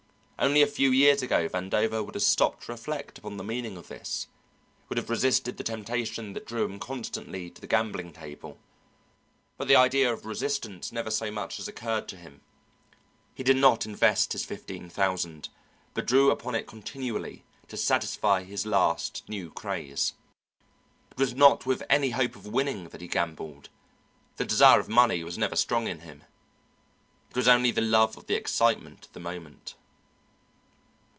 Only a few years ago Vandover would have stopped to reflect upon the meaning of this, would have resisted the temptation that drew him constantly to the gambling table, but the idea of resistance never so much as occurred to him. He did not invest his fifteen thousand, but drew upon it continually to satisfy his last new craze. It was not with any hope of winning that he gambled the desire of money was never strong in him it was only the love of the excitement of the moment.